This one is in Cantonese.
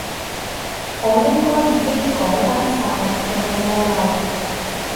我應該已經改返晒，仲有冇漏？